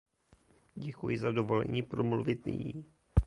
Děkuji za dovolení promluvit nyní.